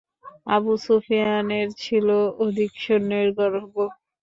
আবু সুফিয়ানের ছিল অধিক সৈন্যের গর্ব।